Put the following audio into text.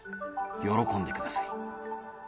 喜んでください。